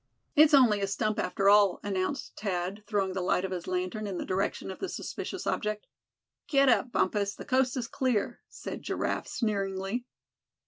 "It's only a stump, after all," announced Thad, throwing the light of his lantern in the direction of the suspicious object. "Get up, Bumpus, the coast is clear," said Giraffe, sneeringly.